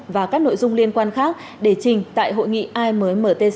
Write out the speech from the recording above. và các nội dung liên quan khác để trình tại hội nghị ammtc